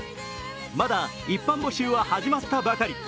まだ一般募集は始まったばかり。